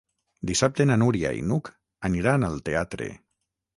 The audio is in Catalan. Dissabte na Núria i n'Hug aniran al teatre.